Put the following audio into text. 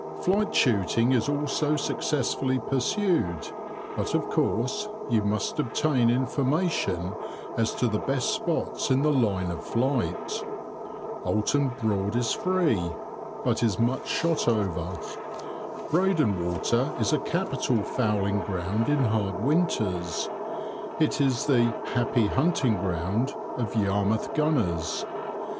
Flight shooting is also successfully pursued, but of course you must obtain information as to the best spots in the line of flight. Oulton Broad is free, but is much shot over. Breydon Water is a capital fowling ground in hard winters. It is the "happy hunting ground" of Yarmouth gunners.